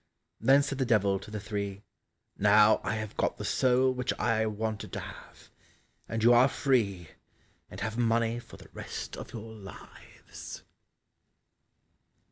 Then said the Devil to the three, "Now I have got the soul which I wanted to have, and you are free, and have money for the rest of your lives."